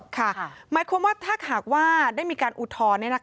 หมายความว่าถ้าหากว่าได้มีการอุทธรณ์